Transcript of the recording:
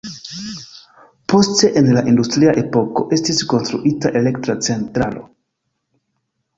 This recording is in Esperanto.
Poste en la industria epoko estis konstruita elektra centralo.